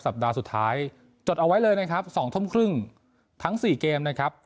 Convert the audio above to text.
ปัดสุดท้ายจดเอาไว้เลยนะครับ๒ทุ่มครึ่งทั้ง๔เกมนะครับ